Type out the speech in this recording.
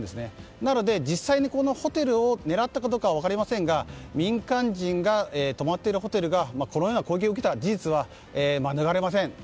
なので実際にこのホテルを狙ったかどうかは分かりませんが民間人が泊まっているホテルがこのような攻撃を受けた事実は免れません。